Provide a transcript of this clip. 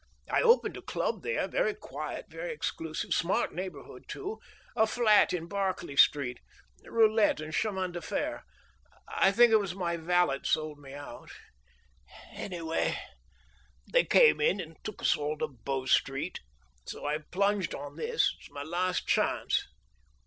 I opened a club there, very quiet, very exclusive, smart neighborhood, too a flat in Berkeley Street roulette and chemin de fer. I think it was my valet sold me out; anyway, they came in and took us all to Bow Street. So I've plunged on this. It's my last chance!"